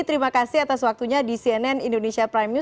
terima kasih atas waktunya di cnn indonesia prime news